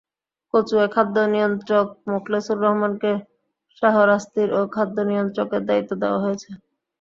কচুয়ার খাদ্য নিয়ন্ত্রক মোখলেছুর রহমানকে শাহরাস্তিরও খাদ্য নিয়ন্ত্রকের দায়িত্ব দেওয়া হয়েছে।